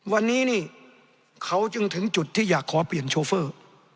วันนี้นี่เขาจึงถึงจุดที่อยากขอเปลี่ยนโชเฟอร์